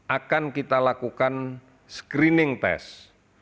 akan kita lakukan screening test